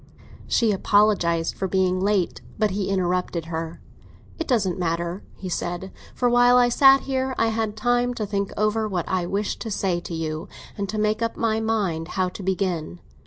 She apologised for being late; but he interrupted her. "It doesn't matter," he said; "for while I sat here I had time to think over what I wish to say to you, and to make up my mind how to begin."